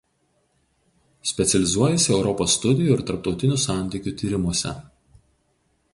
Specializuojasi Europos studijų ir Tarptautinių santykių tyrimuose.